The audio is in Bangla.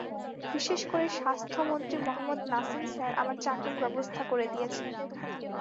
বিশেষ করে স্বাস্থ্যমন্ত্রী মোহাম্মদ নাসিম স্যার আমার চাকরির ব্যবস্থা করে দিয়েছেন।